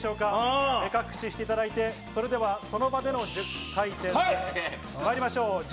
目隠しをしていただいて、その場での１０回転、まいりましょう。